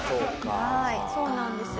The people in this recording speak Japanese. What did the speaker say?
はいそうなんですよ。